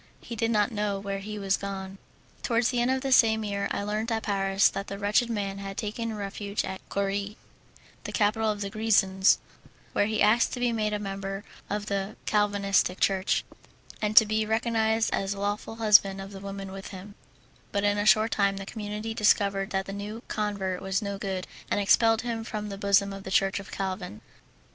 He did not know where he was gone. Towards the end of the same year I learnt at Paris that the wretched man had taken refuge at Coire, the capital of the Grisons, where he asked to be made a member of the Calvinistic Church, and to be recognized as lawful husband of the woman with him; but in a short time the community discovered that the new convert was no good, and expelled him from the bosom of the Church of Calvin.